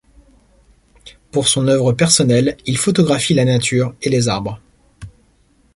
Pour son œuvre personnelle, il photographie la nature et les arbres.